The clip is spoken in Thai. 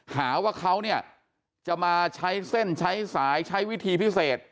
หาว่าเขาเนี่ยจะมาใช้เส้นใช้สายใช้วิธีพิเศษ